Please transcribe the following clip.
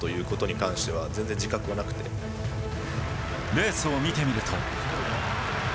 レースを見てみると。